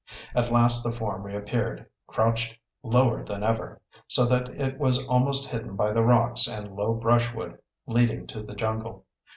At last the form reappeared, crouched lower than ever, so that it was almost hidden by the rocks and low brushwood leading to the jungle.